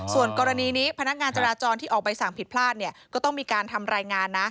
ส่วนกรณีนี้พนักงานจราจรที่ออกใบสั่งผิดพลาดก็ต้องมีการทำรายงานนะ